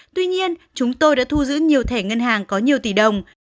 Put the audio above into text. tuy nhiên chúng tôi đã thu giữ nhiều thẻ ngân hàng có nhiều tỷ đồng